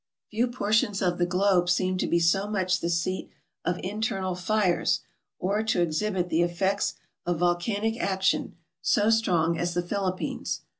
Few portions of the globe seem to be so much the seat of internal fires, or to exhibit the effects of volcanic action MISCELLANEOUS 397 so strong as the Philippines.